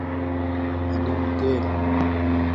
ھنݣ تیل